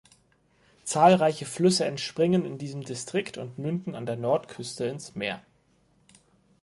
Zahlreiche Flüsse entspringen in diesem Distrikt und münden an der Nordküste ins Meer.